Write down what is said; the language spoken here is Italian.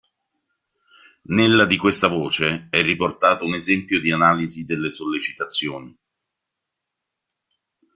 Nella di questa voce è riportato un esempio di analisi delle sollecitazioni.